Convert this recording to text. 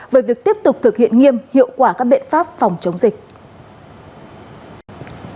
về việc tiếp tục thực hiện nghiêm hiệu quả các biện pháp phòng chống dịch